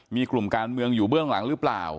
มีกลุ่มการเมืองอยู่เบื้องหลังหรือเปล่า